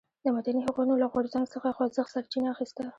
د مدني حقونو له غورځنګ څخه خوځښت سرچینه اخیسته.